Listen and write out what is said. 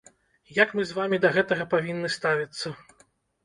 Як мы з вамі да гэтага павінны ставіцца?